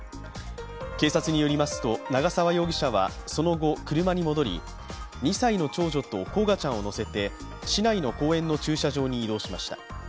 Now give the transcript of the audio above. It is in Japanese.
警察によりますと、長沢容疑者はその後、車に戻り２歳の長女と煌翔ちゃんを乗せて、市内の公園の駐車場に移動しました。